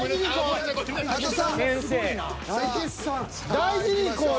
大事にいこうよ。